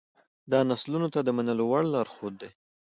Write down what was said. دا نسلونو ته د منلو وړ لارښود دی.